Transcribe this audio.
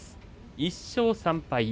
１勝３敗。